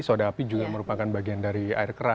soda api juga merupakan bagian dari air keras